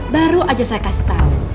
baru aja saya kasih tau